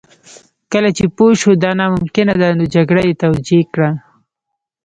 کله چې پوه شو دا ناممکنه ده نو جګړه یې توجیه کړه